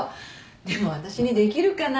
でも私にできるかな？